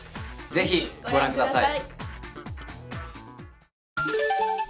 ぜひ御覧ください。